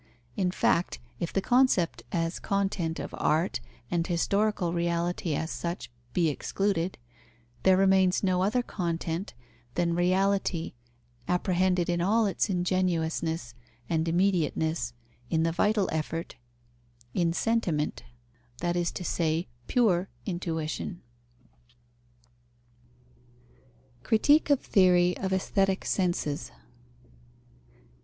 In fact, if the concept as content of art, and historical reality as such, be excluded, there remains no other content than reality apprehended in all its ingenuousness and immediateness in the vital effort, in sentiment, that is to say, pure intuition. _Critique of theory of aesthetic senses.